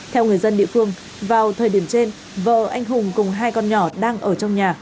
theo người dân địa phương vào thời điểm trên vợ anh hùng cùng hai con nhỏ đang ở trong nhà